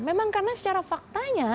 memang karena secara faktanya